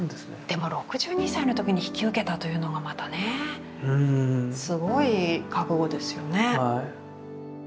でも６２歳の時に引き受けたというのがまたねすごい覚悟ですよね。